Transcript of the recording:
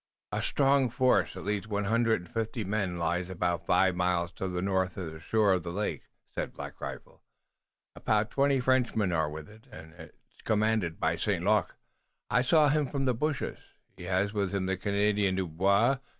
"A strong force, at least one hundred and fifty men, lies about five miles to the north, on the shore of the lake," said Black Rifle. "About twenty Frenchmen are with it, and it is commanded by St. Luc. I saw him from the bushes. He has with him the Canadian, Dubois.